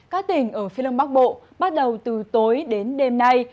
các tỉnh ở phía đông bắc bộ bắt đầu từ tối đến đêm nay